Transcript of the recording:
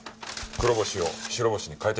黒星を白星に変えてしまう。